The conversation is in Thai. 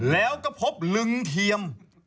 แล้วก็พบลึงเทียม